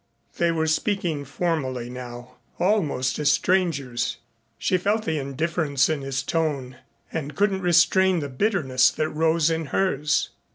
They were speaking formally now, almost as strangers. She felt the indifference in his tone and couldn't restrain the bitterness that rose in hers.